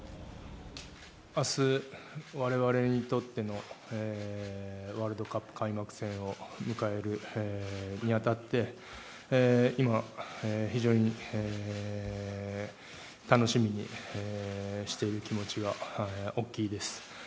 明日、われわれにとってのワールドカップ開幕戦を迎えるに当たって今、非常に楽しみにしている気持ちが大きいです。